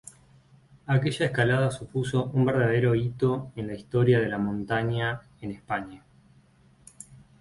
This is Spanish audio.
Aquella escalada supuso un verdadero hito en la historia de la montaña en España.